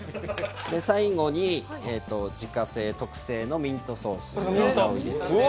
最後に自家製特製のミントソースを入れていきます。